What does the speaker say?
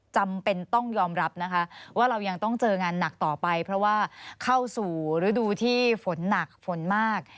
จำเป็นต้องยอมรับนะคะว่าเรายังต้องเจองานหนักต่อไปเพราะว่าเข้าสู่ฤดูที่ฝนหนักฝนมาก